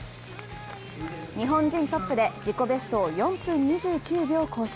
日本人トップで自己ベストを４分２９秒更新。